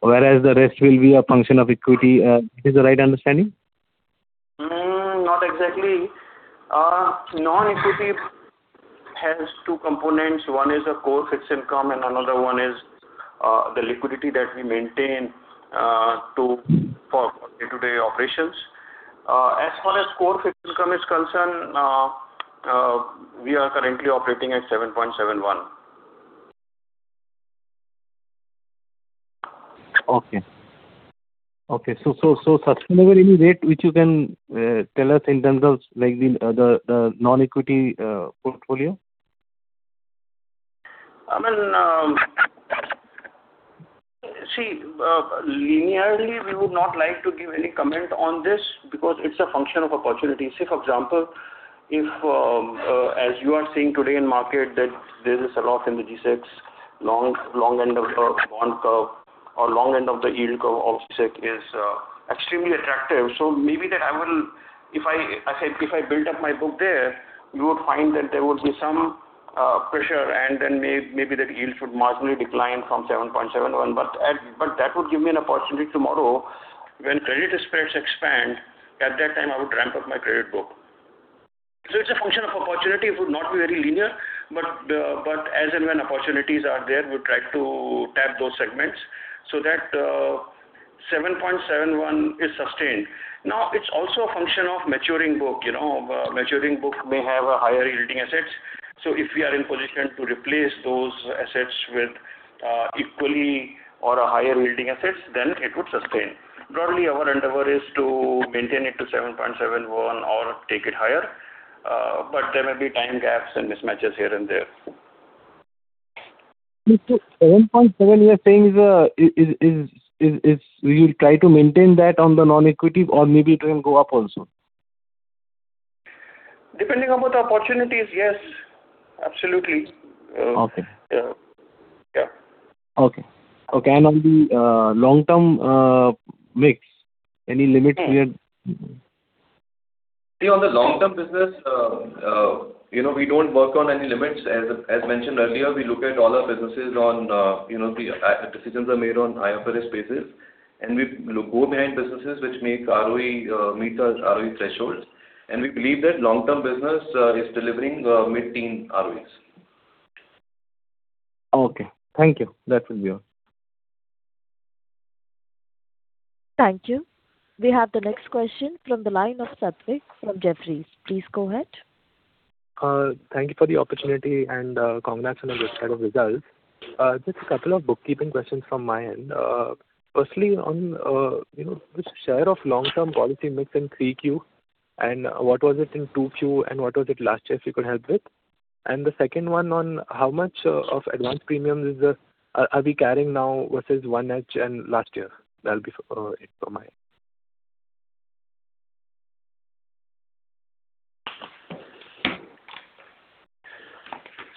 whereas the rest will be a function of equity. Is the right understanding?
Not exactly. Non-equity has two components. One is a core fixed income, and another one is the liquidity that we maintain to for day-to-day operations. As far as core fixed income is concerned, we are currently operating at 7.71.
Okay. So subsequently, any rate which you can tell us in terms of like the non-equity portfolio?...
I mean, see, linearly, we would not like to give any comment on this because it's a function of opportunity. Say, for example, if, as you are seeing today in market, that there is a lot in the G-Secs, long, long end of the bond curve or long end of the yield curve of G-Sec is extremely attractive. So maybe that I will- if I build up my book there, you would find that there would be some pressure, and then maybe that yield should marginally decline from 7.71. But that would give me an opportunity tomorrow when credit spreads expand, at that time, I would ramp up my credit book. So it's a function of opportunity. It would not be very linear, but, but as and when opportunities are there, we try to tap those segments so that, 7.71 is sustained. Now, it's also a function of maturing book. You know, maturing book may have a higher yielding assets, so if we are in position to replace those assets with, equally or a higher yielding assets, then it would sustain. Broadly, our endeavor is to maintain it to 7.71 or take it higher, but there may be time gaps and mismatches here and there.
This 7.7 you are saying is we will try to maintain that on the non-equity, or maybe it will go up also?
Depending upon the opportunities, yes, absolutely.
Okay.
Yeah. Yeah.
Okay. Okay, and on the, long-term, mix, any limits we are-
See, on the long-term business, you know, we don't work on any limits. As, as mentioned earlier, we look at all our businesses on, you know, the decisions are made on IFRS basis, and we go behind businesses which make ROE, meet our ROE thresholds, and we believe that long-term business, is delivering, mid-teen ROEs.
Okay, thank you. That will be all.
Thank you. We have the next question from the line of Satvik from Jefferies. Please go ahead.
Thank you for the opportunity, and, congrats on a good set of results. Just a couple of bookkeeping questions from my end. Firstly, on, you know, which share of long-term policy mix in Q3 and what was it in Q2 and what was it last year, if you could help with? And the second one on how much, of advance premiums is the-- are, are we carrying now versus 1H and last year? That'll be, it from my end.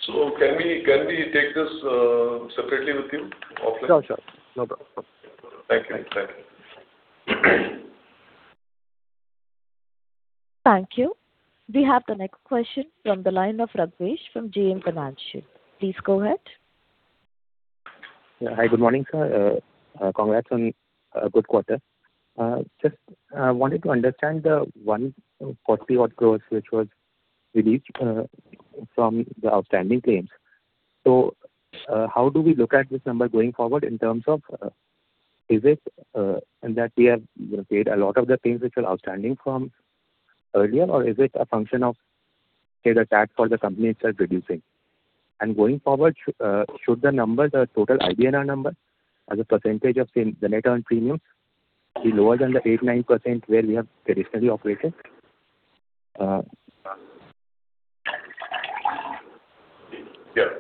Can we, can we take this separately with you offline?
Sure, sure. No problem. Thank you.
Thank you.
Thank you. We have the next question from the line of Raghvesh from JM Financial. Please go ahead.
Yeah. Hi, good morning, sir. Congrats on a good quarter. Just wanted to understand the one-off quarterly growth, which was released from the outstanding claims. So, how do we look at this number going forward in terms of, is it in that we have paid a lot of the claims which are outstanding from earlier, or is it a function of, say, the tax for the company itself reducing? And going forward, should the numbers, the total IBNR number, as a percentage of the net earned premium, be lower than the 8%-9% where we have traditionally operated?
Yeah.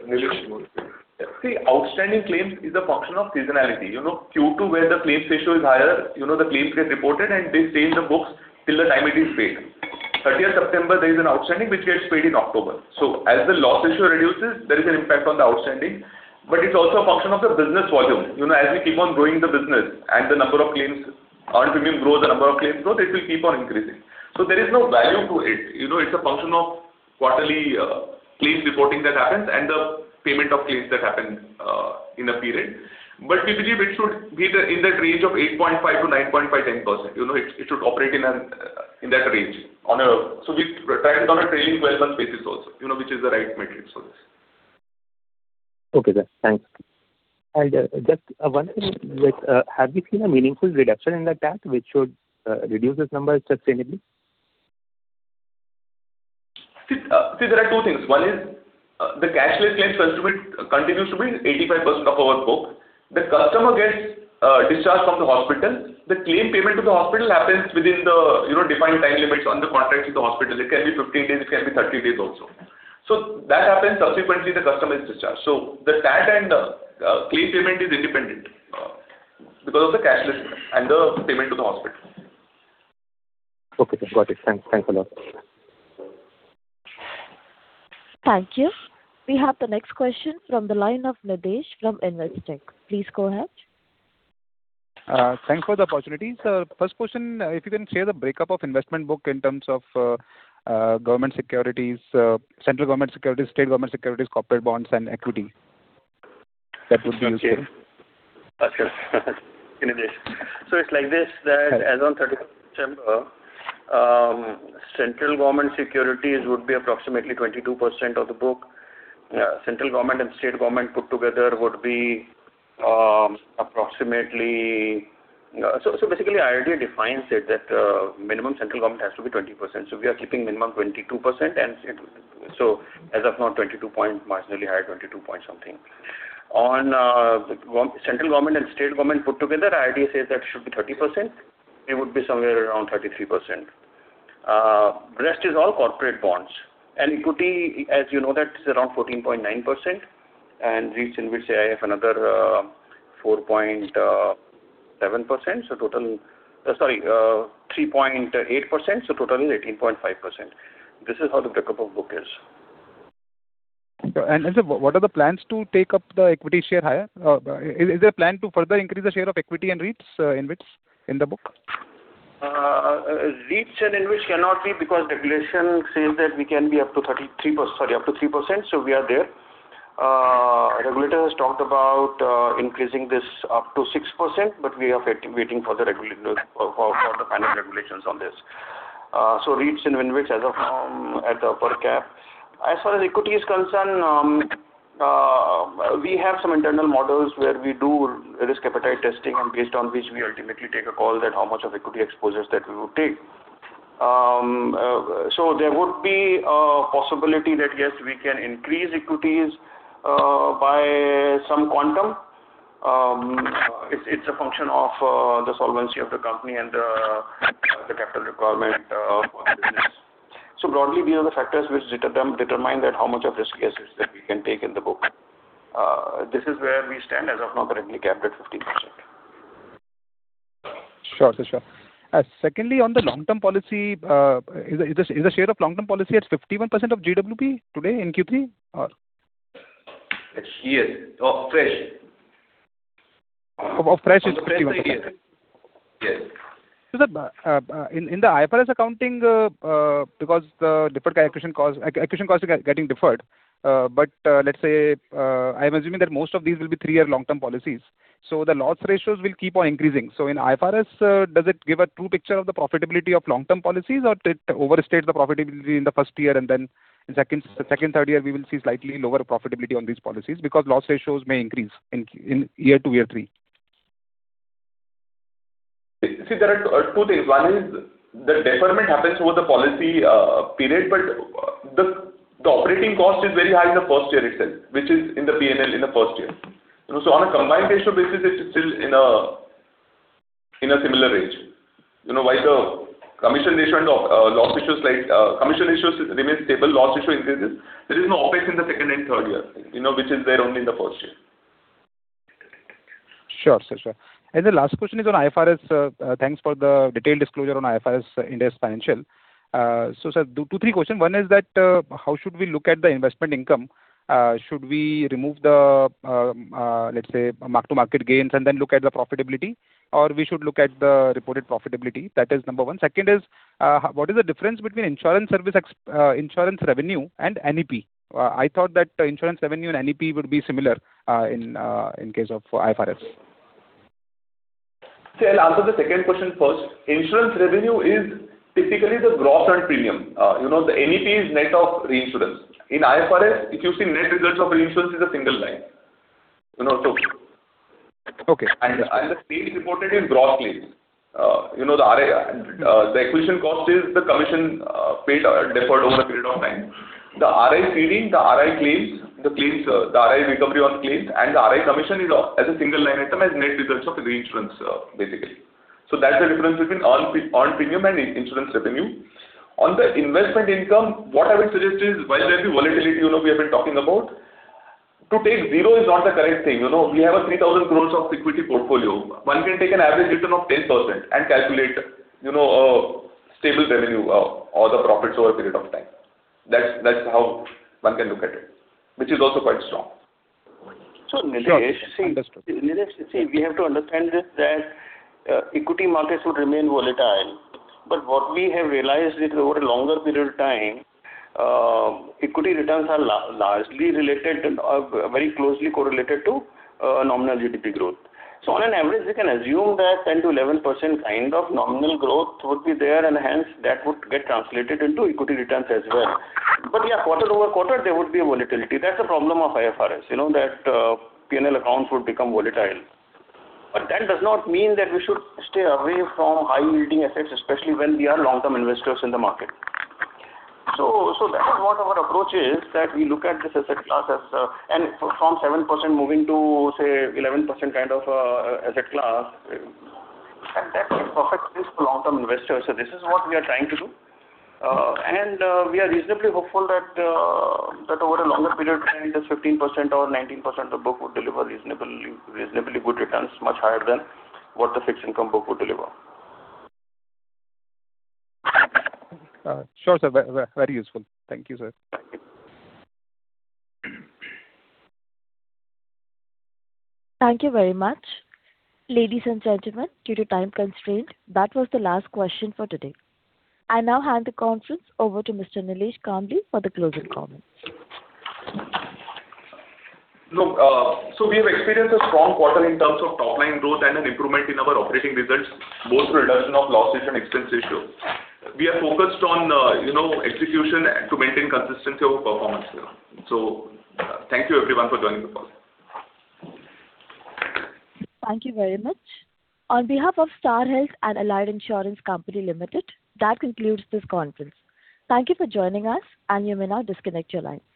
See, outstanding claims is a function of seasonality. You know, Q2, where the claims ratio is higher, you know, the claims get reported, and they stay in the books till the time it is paid. 30th September, there is an outstanding which gets paid in October. So as the loss ratio reduces, there is an impact on the outstanding, but it's also a function of the business volume. You know, as we keep on growing the business and the number of claims, earned premium grows, the number of claims grows, it will keep on increasing. So there is no value to it. You know, it's a function of quarterly, claims reporting that happens and the payment of claims that happen, in a period. But we believe it should be the, in that range of 8.5%-9.5%, 10%. You know, it should operate in that range on a... So we try and do on a trailing twelve-month basis also, you know, which is the right metric for this.
Okay, sir. Thanks. Just one thing, like, have you seen a meaningful reduction in the tax, which should reduce this number sustainably?
See, see, there are two things. One is, the cashless claims continues to be, continues to be 85% of our book. The customer gets discharged from the hospital. The claim payment to the hospital happens within the, you know, defined time limits on the contracts with the hospital. It can be 15 days, it can be 30 days also. So that happens subsequently, the customer is discharged. So the tax and the claim payment is independent, because of the cashless and the payment to the hospital.
Okay, sir. Got it. Thanks. Thanks a lot.
Thank you. We have the next question from the line of Nidhesh from Investec. Please go ahead.
Thanks for the opportunity. First question, if you can share the break-up of investment book in terms of government securities, central government securities, state government securities, corporate bonds, and equity. That would be useful.
Okay. So it's like this, that as on 31st December, central government securities would be approximately 22% of the book. Central government and state government put together would be approximately... So, so basically, IRDA defines it that minimum central government has to be 20%. So we are keeping minimum 22%, and so as of now, 22 point, marginally higher, 22 point something. On central government and state government put together, IRDA says that should be 30%. It would be somewhere around 33%.... Rest is all corporate bonds and equity, as you know, that is around 14.9%, and REITs in which I have another four point seven percent. So total-- sorry, three point eight percent, so total is 18.5%. This is how the breakup of book is.
Sir, what are the plans to take up the equity share higher? Is there a plan to further increase the share of equity and REITs, InvITs in the book?
REITs and InvITs cannot be because regulation says that we can be up to 33%, sorry, up to 3%, so we are there. Regulator has talked about increasing this up to 6%, but we are waiting for the final regulations on this. So REITs and InvITs as of now, at the upper cap. As far as equity is concerned, we have some internal models where we do risk appetite testing and based on which we ultimately take a call that how much of equity exposures that we would take. So there would be a possibility that, yes, we can increase equities by some quantum. It's a function of the solvency of the company and the capital requirement of the business. So broadly, these are the factors which determine that how much of risk assets that we can take in the book. This is where we stand as of now, currently capped at 15%.
Sure, sure, sure. Secondly, on the long-term policy, is the, is the share of long-term policy at 51% of GWP today in Q3, or?
It's share of fresh.
Of fresh, it's 51.
Yes.
So the in the IFRS accounting because the deferred acquisition cost acquisition cost is getting deferred but let's say I'm assuming that most of these will be three-year long-term policies so the loss ratios will keep on increasing. So in IFRS does it give a true picture of the profitability of long-term policies or it overstates the profitability in the first year and then second second third year we will see slightly lower profitability on these policies because loss ratios may increase in year two year three?
See, there are two things. One is the deferment happens over the policy period, but the, the operating cost is very high in the first year itself, which is in the P&L in the first year. So on a combined ratio basis, it's still in a, in a similar range. You know, while the commission ratio and, loss ratios like, commission ratios remain stable, loss issue increases. There is no OpEx in the second and third year, you know, which is there only in the first year.
Sure, sure, sure. And the last question is on IFRS. Thanks for the detailed disclosure on IFRS, Ind AS financials. So, sir, two, two, three questions. One is that, how should we look at the investment income? Should we remove the, let's say, mark-to-market gains and then look at the profitability? Or we should look at the reported profitability, that is number one. Second is, what is the difference between insurance service ex- insurance revenue and NEP? I thought that insurance revenue and NEP would be similar, in, in case of IFRS.
So I'll answer the second question first. Insurance revenue is typically the gross earned premium. You know, the NEP is net of reinsurance. In IFRS, if you see net results of reinsurance is a single line, you know, so.
Okay.
The claim reported is gross claims. You know, the RI, the acquisition cost is the commission, paid or deferred over a period of time. The RI ceding, the RI claims, the claims, the RI recovery on claims and the RI commission is as a single line item as net results of reinsurance, basically. So that's the difference between earned, earned premium and insurance revenue. On the investment income, what I would suggest is, while there'll be volatility, you know, we have been talking about, to take zero is not the correct thing. You know, we have 3,000 crore of equity portfolio. One can take an average return of 10% and calculate, you know, a stable revenue or, or the profits over a period of time. That's, that's how one can look at it, which is also quite strong.
So, Nilesh-
Sure, understood.
Nilesh, see, we have to understand this, that, equity markets would remain volatile. But what we have realized is over a longer period of time, equity returns are largely related and, or very closely correlated to, nominal GDP growth. So on an average, we can assume that 10%-11% kind of nominal growth would be there, and hence, that would get translated into equity returns as well. But, yeah, quarter-over-quarter, there would be a volatility. That's the problem of IFRS, you know, that, P&L accounts would become volatile. But that does not mean that we should stay away from high-yielding assets, especially when we are long-term investors in the market. So, so that is what our approach is, that we look at this asset class as, and from 7% moving to, say, 11% kind of, asset class, and that's a perfect fit for long-term investors. So this is what we are trying to do. And, we are reasonably hopeful that, that over a longer period of time, this 15% or 19% of book would deliver reasonably, reasonably good returns, much higher than what the fixed income book would deliver.
Sure, sir. Very useful. Thank you, sir.
Thank you very much. Ladies and gentlemen, due to time constraint, that was the last question for today. I now hand the conference over to Nilesh Kambli for the closing comments.
Look, so we have experienced a strong quarter in terms of top-line growth and an improvement in our operating results, both through reduction of loss ratio and expense ratio. We are focused on, you know, execution and to maintain consistency of performance. Thank you everyone for joining the call.
Thank you very much. On behalf of Star Health and Allied Insurance Company Limited, that concludes this conference. Thank you for joining us, and you may now disconnect your line.